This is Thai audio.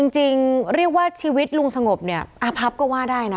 จริงเรียกว่าชีวิตลุงสงบเนี่ยอาพับก็ว่าได้นะ